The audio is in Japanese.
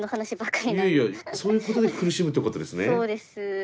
そういうことで苦しむってことですね。